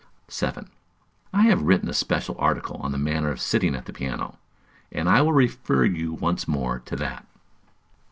7. I have written a special article on the manner of sitting at the piano, and I will refer you once more to that.